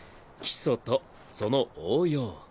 基礎とその応用